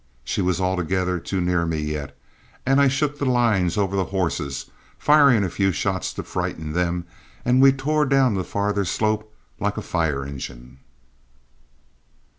She was altogether too near me yet, and I shook the lines over the horses, firing a few shots to frighten them, and we tore down the farther slope like a fire engine.